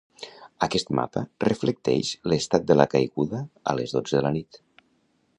Aquest mapa reflecteix l’estat de la caiguda a les dotze de la nit.